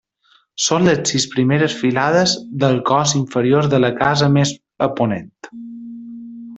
Són les sis primeres filades del cos inferior de la casa més a ponent.